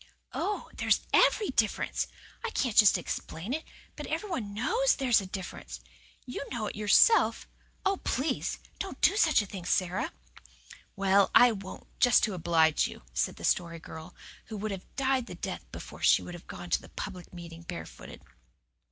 "Oh, there's EVERY difference. I can't just explain it but every one KNOWS there is a difference. You know it yourself. Oh, PLEASE, don't do such a thing, Sara." "Well, I won't, just to oblige you," said the Story Girl, who would have died the death before she would have gone to a "public meeting" barefooted.